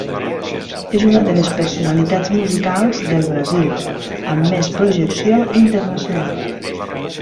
És una de les personalitats musicals del Brasil amb més projecció internacional.